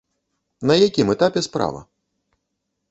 На якім этапе справа?